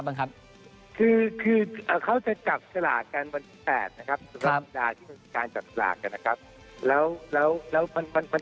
โปรดติดตามต่อไป